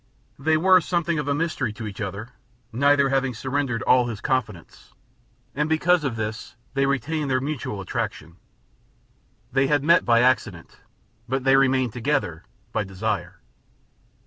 They were something of a mystery to each other, neither having surrendered all his confidence, and because of this they retained their mutual attraction. They had met by accident, but they remained together by desire.